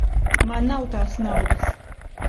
Man nav tās naudas.